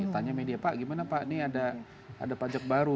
tanya media pak gimana pak ini ada pajak baru